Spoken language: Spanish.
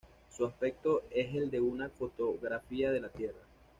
Su aspecto es el de una fotografía de la Tierra.